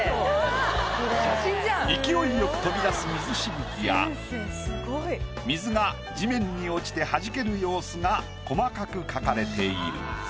勢いよく飛び出す水しぶきや水が地面に落ちてはじける様子が細かく描かれている。